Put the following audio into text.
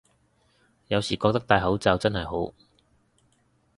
有時覺得戴口罩真係好